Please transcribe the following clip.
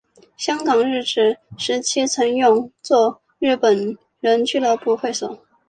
香港日治时期曾用作日本人俱乐部会所。